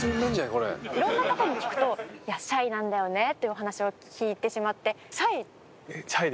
これ」色んな方に聞くといやシャイなんだよねというお話を聞いてしまってシャイ？